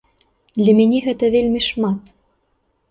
Для мяне гэта вельмі шмат!